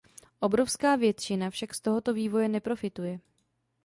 Obrovská většina však z tohoto vývoje neprofituje.